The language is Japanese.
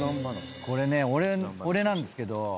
これね俺なんですけど。